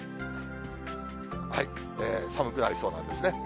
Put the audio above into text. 寒くなりそうなんですね。